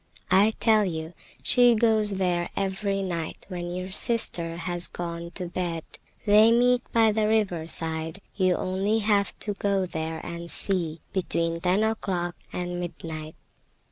I tell you, she goes there every night when your sister has gone to bed. They meet by the river side; you have only to go there and see, between ten o'clock and midnight."